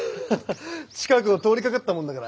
近くを通りかかったものだから。